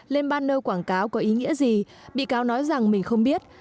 lên banner quảng cáo có ý nghĩa gì bị cáo nói rằng mình không biết